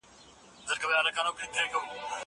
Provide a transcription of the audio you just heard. کتابتون له کتابتون ښه دی.